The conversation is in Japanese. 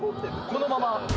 このまま。